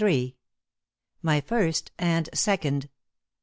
* *MY FIRST AND SECOND.